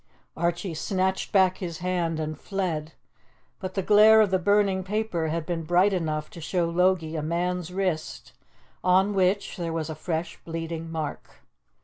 Archie snatched back his hand and fled; but the glare of the burning paper had been bright enough to show Logie a man's wrist, on which there was a fresh, bleeding mark.